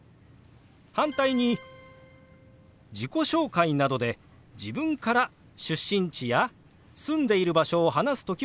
反対に自己紹介などで自分から出身地や住んでいる場所を話す時もありますよね。